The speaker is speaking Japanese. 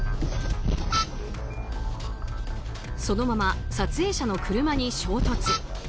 そのまま撮影者の車に衝突。